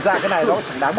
đúng rồi rút ra luôn nhưng mà